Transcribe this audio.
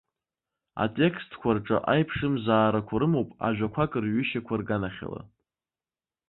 Атекстқәа рҿы аиԥшымзаарақәа рымоуп ажәақәак рҩышьқәа рганахьала.